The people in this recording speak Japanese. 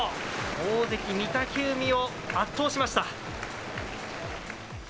大関・御嶽海を圧倒しました。